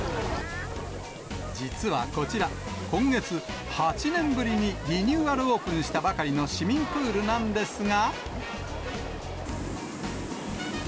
実はこちら、今月、８年ぶりにリニューアルオープンしたばかりの市民プールなんですが。